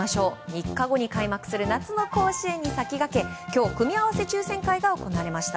３日後に開幕する夏の甲子園に先駆け今日、組み合わせ抽選会が行われました。